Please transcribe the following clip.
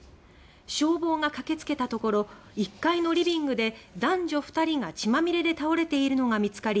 消防が駆け付けたところ１階のリビングで男女２人が血まみれで倒れているのが見つかり